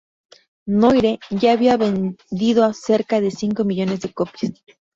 Noire" ya había vendido cerca de cinco millones de copias.